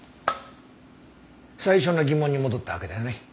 最初の疑問に戻ったわけだよね。